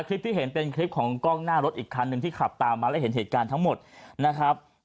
คลิปที่เห็นเป็นคลิปของกล้องหน้ารถอีกคันหนึ่งที่ขับตามมาแล้วเห็นเหตุการณ์ทั้งหมดนะครับ